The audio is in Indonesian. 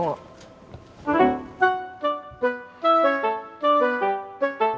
lagi yang berisik udah malem